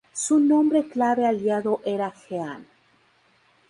Su nombre clave Aliado era "Jean".